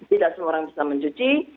tidak semua orang bisa mencuci